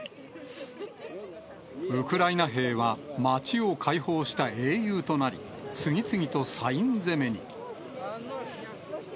ウクライナ兵は街を解放した英雄となり、次々とサイン攻めに。